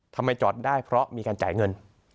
ทำไมจอดได้เพราะมีการจ่ายเงิน